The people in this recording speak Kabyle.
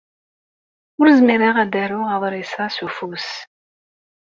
Ur zmireɣ ad aruɣ aḍris-a s ufus.